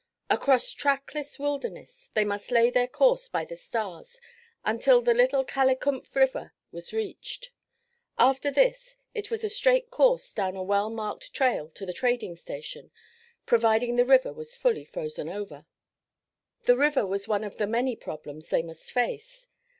Across trackless wilderness they must lay their course by the stars until the Little Kalikumf River was reached. After this it was a straight course down a well marked trail to the trading station, providing the river was fully frozen over. This river was one of the many problems they must face.